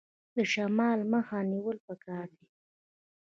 د شمال مخه نیول پکار دي؟